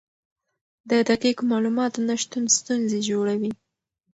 د دقیقو معلوماتو نشتون ستونزې جوړوي.